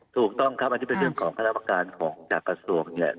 ถูกต้องครับอันนี้เป็นเรื่องของคณะประการของจากกระทรวงเนี่ย